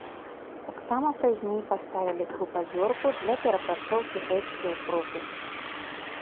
Тамсама пазней паставілі крупадзёрку для перапрацоўкі грэчкі ў крупы.